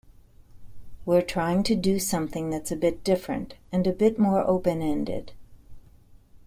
We're trying to do something that's a bit different, and a bit more open-ended.